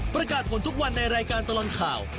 ประกาศผลทุกวันในรายการตลอดข่าว